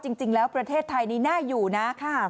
จริงแล้วประเทศไทยนี้น่าอยู่นะ